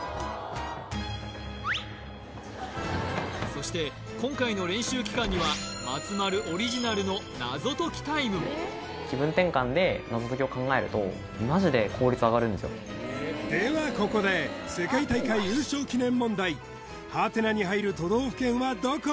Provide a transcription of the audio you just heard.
そして今回の練習期間には松丸オリジナルの謎解きタイムもではここで世界大会優勝記念問題「？」に入る都道府県はどこ？